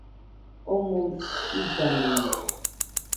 Omoɨ illanomo